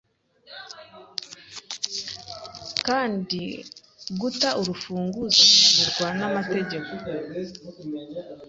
Kandi guta urufunguzo bihanirwa namategeko